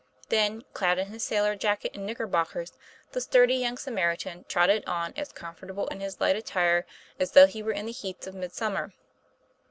Then, clad in his sailor jacket and knickerbockers, the sturdy young Samaritan trotted on as comfortable in his light attire as though he were in the heats of mid summer.